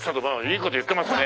いい事言ってますね！